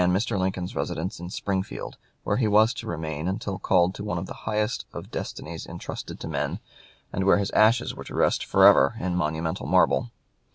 ] In this way began Mr. Lincoln's residence in Springfield, where he was to remain until called to one of the highest of destinies intrusted to men, and where his ashes were to rest forever in monumental marble.